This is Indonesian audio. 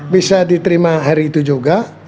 bisa diterima hari itu juga